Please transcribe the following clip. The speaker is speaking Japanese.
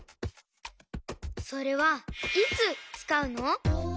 それはいつつかうの？